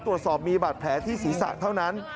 ตรวจสอบมีบาดแผลที่ศีรษะเท่านั้น